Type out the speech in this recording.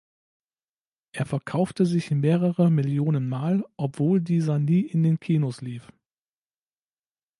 Er verkaufte sich mehrere Millionen Mal, obwohl dieser nie in den Kinos lief.